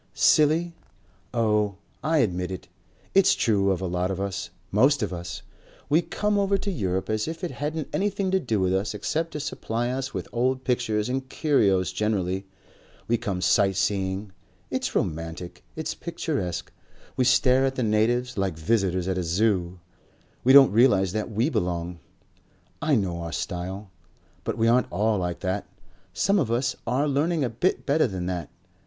"Silly? Oh! I admit it. It's true of a lot of us. Most of us. We come over to Europe as if it hadn't anything to do with us except to supply us with old pictures and curios generally. We come sight seeing. It's romantic. It's picturesque. We stare at the natives like visitors at a Zoo. We don't realize that we belong.... I know our style.... But we aren't all like that. Some of us are learning a bit better than that.